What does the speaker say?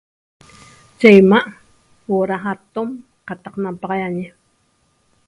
Ye 'ima' huo'o ra jatom qataq napaxaiañi